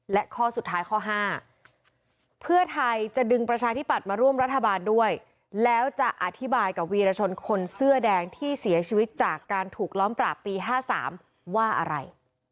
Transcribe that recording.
และข้อสุดท้ายข้อ๕เพื่อไทยจะดึงประชาธิบัตย์มาร่วมรัฐบาลด้วยแล้วจะอธิบายกับวีรชนคนเสื้อแดงที่เสียชีวิตจากการถูกล้อมปราบปี๕๓ว่าอะไร